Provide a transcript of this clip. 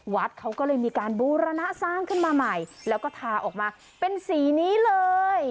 วัดเขาก็เลยมีการบูรณะสร้างขึ้นมาใหม่แล้วก็ทาออกมาเป็นสีนี้เลย